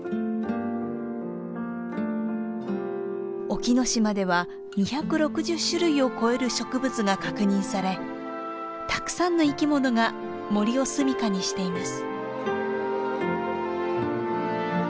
沖ノ島では２６０種類を超える植物が確認されたくさんの生き物が森を住みかにしています。